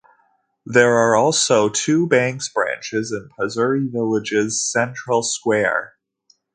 There are also two banks' branches in Pissouri village's central square.